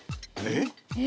えっ？